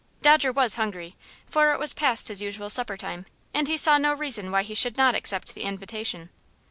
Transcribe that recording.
Dodger was hungry, for it was past his usual supper time, and he saw no reason why he should not accept the invitation.